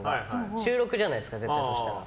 収録じゃないですか、そうしたら。